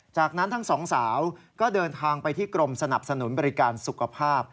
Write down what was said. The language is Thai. จากนั้นทั้งสองสาวก็เดินทางไปที่กรมสนับสนุนบริการสุขภาพ